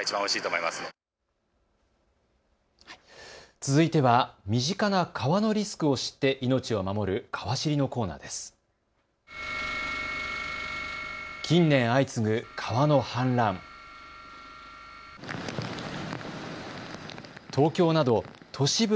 続いては身近な川のリスクを知って命を守るかわ知りのコーナーです。